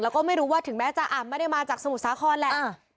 แล้วก็ไม่รู้ว่าถึงแม้จะอ่ำไม่ได้มาจากสมุทรสาครแหละ